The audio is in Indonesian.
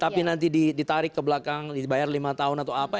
tapi nanti ditarik ke belakang dibayar lima tahun atau apa